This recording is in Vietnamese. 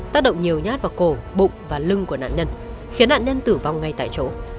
tác động nhiều nhát vào cổ bụng và lưng của nạn nhân khiến nạn nhân tử vong ngay tại chỗ